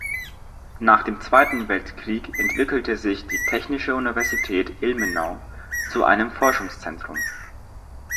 Nach dem Zweiten Weltkrieg entwickelte sich die Technische Universität Ilmenau zu einem Forschungszentrum.